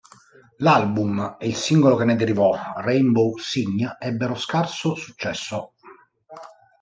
L'album e il singolo che ne derivò, "Rainbow Sign", ebbero scarso successo.